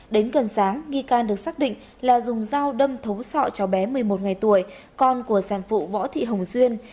đến gần sáng nghi can được xác định là dùng dao đâm thấu sọ cho bé một mươi một ngày tuổi con của sản phụ võ thị hồng duyên